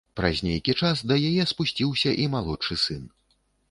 Праз нейкі час да яе спусціўся і малодшы сын.